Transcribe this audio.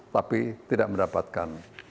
tapi tidak mendapatkan